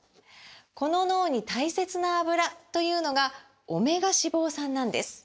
この脳に大切なアブラというのがオメガ脂肪酸なんです！